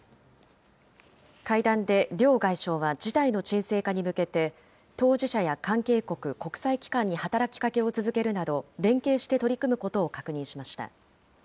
会談で両外相は事態の沈静化に向けて、当事者や関係国、国際機関に働きかけを続けるなど、連携して取り組むことを確認しました。